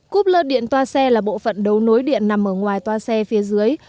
cúp lợt điện toa xe là bộ phận đấu nối điện nằm ở ngoài toa xe phía dưới